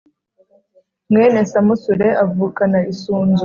mwene samusure avukana isunzu